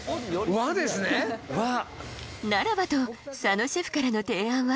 和ならばと佐野シェフからの提案は？